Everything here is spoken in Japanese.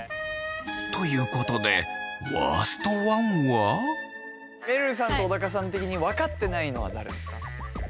ということでめるるさんと小高さん的に分かってないのは誰ですか？